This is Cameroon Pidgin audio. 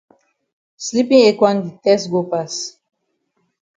Sleepin ekwang di tess go pass.